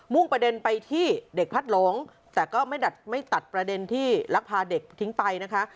่งประเด็นไปที่เด็กพัดหลงแต่ก็ไม่ดัดไม่ตัดประเด็นที่ลักพาเด็กทิ้งไปนะคะ